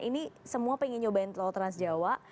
ini semua pengen nyobain tol trans jawa